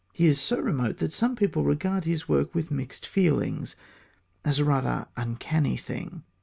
He is so remote that some people regard his work with mixed feelings, as a rather uncanny thing.